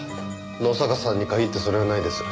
野坂さんに限ってそれはないです。